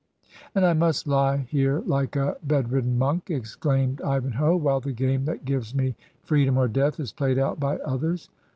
'"And I must lie here like a bedridden monk,' ex claimed Ivanhoe, 'while the game that gives me free dom or death is played out by others!